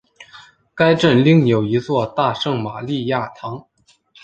该镇另有一座大圣马利亚堂。